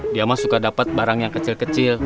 dia mah suka dapat barang yang kecil kecil